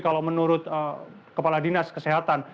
kalau menurut kepala dinas kesehatan